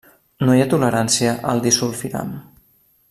No hi ha tolerància al disulfiram.